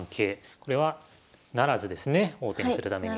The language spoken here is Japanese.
これは不成ですね王手にするために。